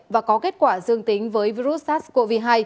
và có kết quả dương tính với virus sars cov hai